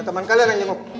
ada teman kalian yang nyemuk